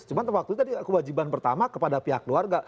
cuma waktu itu tadi kewajiban pertama kepada pihak keluarga